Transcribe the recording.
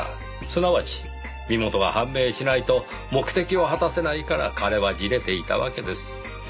すなわち身元が判明しないと目的を果たせないから彼は焦れていたわけです。